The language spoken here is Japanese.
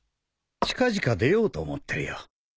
近々出ようと思ってるよ。